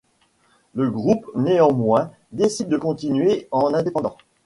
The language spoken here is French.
Le groupe, néanmoins, décide de continuer en indépendant.